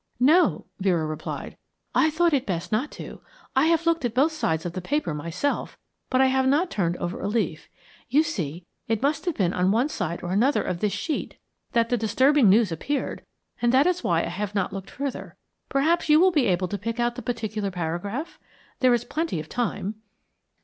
"No," Vera replied. "I thought it best not to. I have looked at both sides of the paper myself, but I have not turned over a leaf. You see, it must have been on one side or another of this sheet that the disturbing news appeared, and that is why I have not looked further. Perhaps you will be able to pick out the particular paragraph? There is plenty of time."